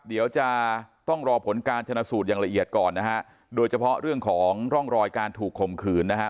เดี๋ยวจะต้องรอผลการชนะสูตรอย่างละเอียดก่อนนะฮะโดยเฉพาะเรื่องของร่องรอยการถูกข่มขืนนะฮะ